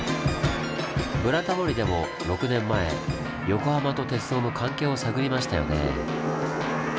「ブラタモリ」でも６年前横浜と鉄道の関係を探りましたよねぇ。